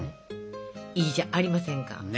いいじゃありませんか！ね！